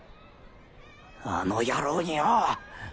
あの野郎によぉ。